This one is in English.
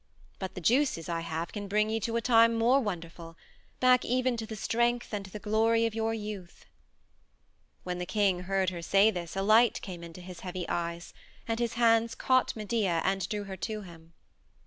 But the juices I have can bring you to a time more wonderful back even to the strength and the glory of your youth." When the king heard her say this a light came into his heavy eyes, and his hands caught Medea and drew her to him.